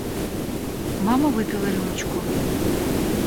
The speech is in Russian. Мама выпила рюмочку.